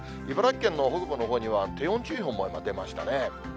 茨城県の北部のほうには、低温注意報も出ましたね。